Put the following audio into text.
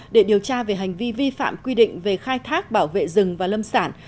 để điều tra về hành vi vi phạm quy định về khai thác bảo vệ rừng và lâm sản